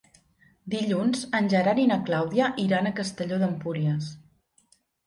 Dilluns en Gerard i na Clàudia iran a Castelló d'Empúries.